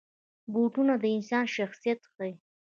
بوټونه د انسان شخصیت ښيي.